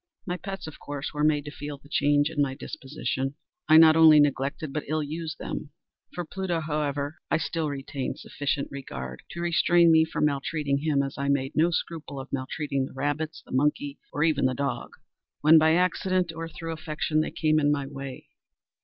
My pets, of course, were made to feel the change in my disposition. I not only neglected, but ill used them. For Pluto, however, I still retained sufficient regard to restrain me from maltreating him, as I made no scruple of maltreating the rabbits, the monkey, or even the dog, when by accident, or through affection, they came in my way.